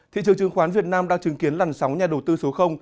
thị trường chứng khoán việt nam đang chứng kiến làn sóng nhà đầu tư số